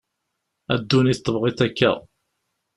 A ddunit tebɣiḍ akka.